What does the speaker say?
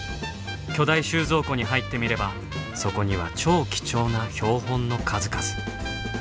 巨大収蔵庫に入ってみればそこには超貴重な標本の数々。